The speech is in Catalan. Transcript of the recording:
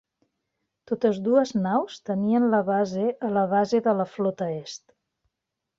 Totes dues naus tenien la base a la base de la Flota Est.